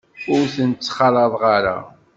Ur ten-ttxalaḍeɣ ara.